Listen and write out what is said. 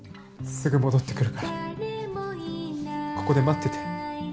すぐ戻ってくるからここで待ってて。